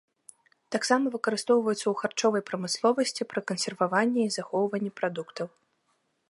Таксама выкарыстоўваюцца ў харчовай прамысловасці пры кансерваванні і захоўванні прадуктаў.